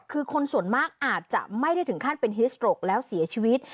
คือคนส่วนมากอาจจะไม่ได้ถึงขั้นเป็นฮิสโตรกแล้วเสียชีวิต